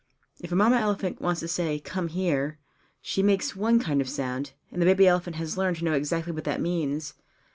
If the Mamma elephant wants to say "Come here," she makes one kind of sound, and the baby elephant has learned to know exactly what that means.